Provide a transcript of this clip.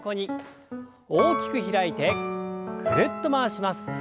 大きく開いてぐるっと回します。